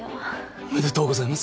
おめでとうございます！